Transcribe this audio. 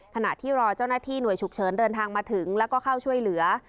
ขณะที่รอเจ้าหน้าที่หน่วยฉุกเฉินเดินทางมาถึงแล้วก็เข้าช่วยเหลือ